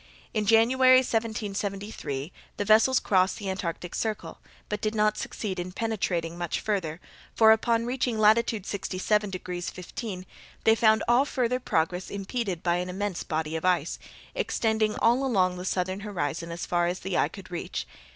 In January, 1773, the vessels crossed the Antarctic circle, but did not succeed in penetrating much farther; for upon reaching latitude 67 degrees 15' they found all farther progress impeded by an immense body of ice, extending all along the southern horizon as far as the eye could reach.